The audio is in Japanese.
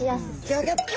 ギョギョッと！